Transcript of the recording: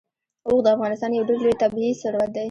اوښ د افغانستان یو ډېر لوی طبعي ثروت دی.